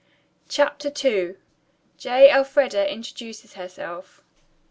CHAPTER II J. ELFREDA INTRODUCES HERSELF.